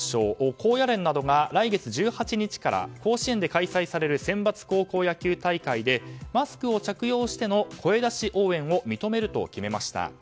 高野連などが来月１８日から甲子園で開催されるセンバツ高校野球大会でマスクを着用しての声出し応援を認めると決めました。